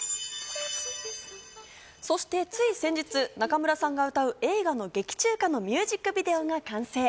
そしてつい先日、中村さんが歌う映画の劇中歌のミュージックビデオが完成。